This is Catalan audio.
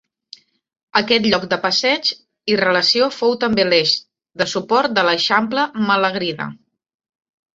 Aquest lloc de passeig i relació fou també l'eix de suport de l'eixample Malagrida.